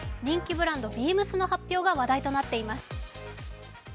人気ブランドＢＥＡＭＳの発表が話題になっています